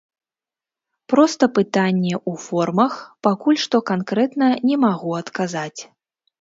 Проста пытанне ў формах, пакуль што канкрэтна не магу адказаць.